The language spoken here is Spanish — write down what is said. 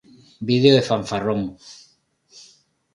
Video de Fanfarrón